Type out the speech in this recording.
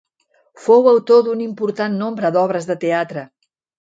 Fou autor d'un important nombre d'obres de teatre.